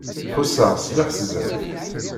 Ḥusseɣ s leḥzen.